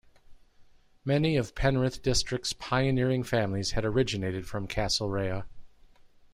Many of Penrith district's pioneering families had originated from Castlereagh.